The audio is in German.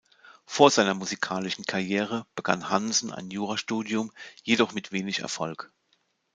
Vor seiner musikalischen Karriere begann Hansen ein Jura-Studium, jedoch mit wenig Erfolg.